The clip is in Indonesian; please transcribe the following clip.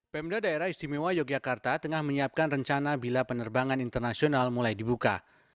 pemda daerah istimewa yogyakarta tengah menyiapkan rencana bila penerbangan internasional mulai dibuka